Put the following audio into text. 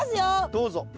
どうぞ。